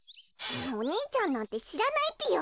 お兄ちゃんなんてしらないぴよ！